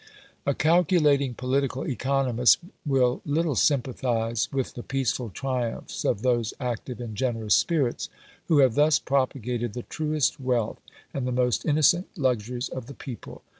A calculating political economist will little sympathise with the peaceful triumphs of those active and generous spirits, who have thus propagated the truest wealth, and the most innocent luxuries of the people.